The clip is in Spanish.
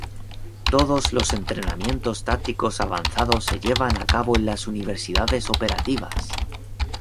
Todos los entrenamientos tácticos avanzado se llevan a cabo en las unidades operativas.